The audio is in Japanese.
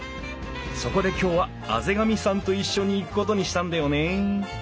そこで今日は畔上さんと一緒に行くことにしたんだよね。